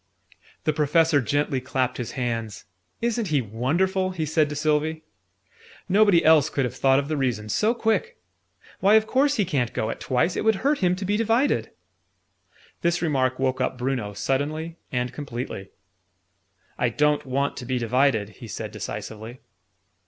The Professor gently clapped his hands. "Isn't he wonderful!" he said to Sylvie. "Nobody else could have thought of the reason, so quick. Why, of course he ca'n't go at twice! It would hurt him to be divided." This remark woke up Bruno, suddenly and completely. "I don't want to be divided," he said decisively.